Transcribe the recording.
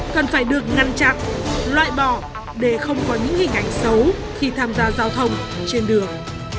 cần phải được ngăn chặn loại bỏ để không có những hình ảnh xấu khi tham gia giao thông trên đường